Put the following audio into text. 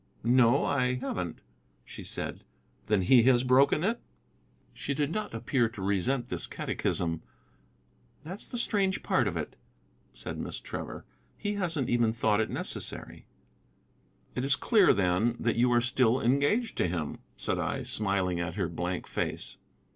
"No, I haven't," she said. "Then he has broken it?" She did not appear to resent this catechism. "That's the strange part of it," said Miss Trevor, "he hasn't even thought it necessary." "It is clear, then, that you are still engaged to him," said I, smiling at her blank face.